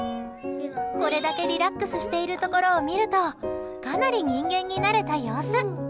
これだけ、リラックスしているところを見るとかなり人間に慣れた様子。